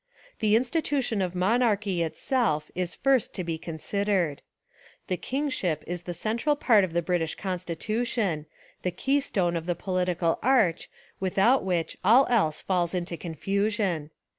The institution of monarchy itself Is first to be con sidered. The kingship is the central part of 281 Essays and Literary Studies the British constitution, the keystone of the political arch without which all else falls into confusion.